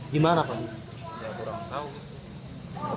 ya kurang tahu gitu